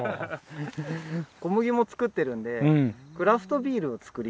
小麦も作ってるんでクラフトビールを造りたい。